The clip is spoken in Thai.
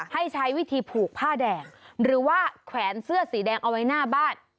ให้ใช้วิธีผูกผ้าแดงหรือว่าแขวนเสื้อสีแดงเอาไว้หน้าบ้าน